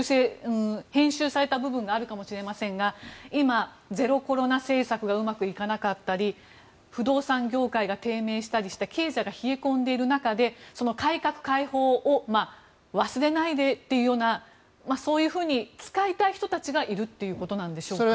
編集された部分があるかもしれませんが今、ゼロコロナ政策がうまくいかなかったり不動産業界が低迷したりして経済が冷え込んでいる中で改革開放を忘れないでというようなそういうふうに使い人たちがいるということなんでしょうか。